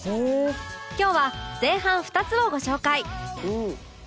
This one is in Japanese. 今日は前半２つをご紹介